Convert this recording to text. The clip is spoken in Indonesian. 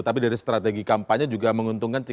tapi dari strategi kampanye juga menguntungkan tiga angka ini